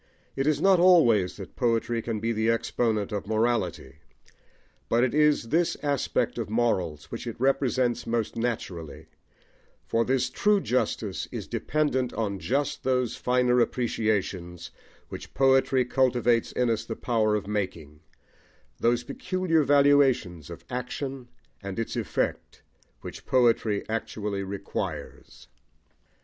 It is not always that poetry can be the exponent of morality; but it is this aspect of morals which it represents most naturally, for this true justice is dependent on just those finer appreciations which poetry cultivates in us the power of making, those peculiar valuations of action and its effect which poetry actually requires.